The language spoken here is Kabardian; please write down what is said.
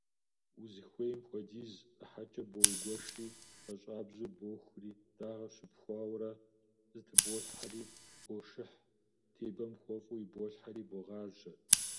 Узыхуейм хуэдиз ӏыхьэкӏэ боугуэшри пӏащӏабзэу бохури, дагъэ щыпхуэурэ зэтыболхьэри бошыхь, тебэм хуэфӏу иболъхьэри богъажьэ.